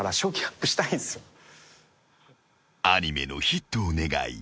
［アニメのヒットを願い